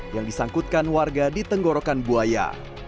yang disangkutkan warga di tenggorokan buaya